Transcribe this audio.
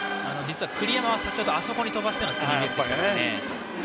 栗山はあそこに飛ばしてのスリーベースでした。